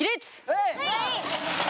はい！